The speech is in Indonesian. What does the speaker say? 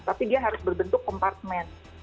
tapi dia harus berbentuk kompartemen